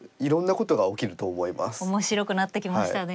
面白くなってきましたね。